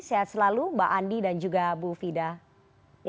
sehat selalu mbak andi dan juga mbak mufidayati